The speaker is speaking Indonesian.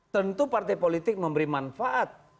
tentu partai politik memberi manfaat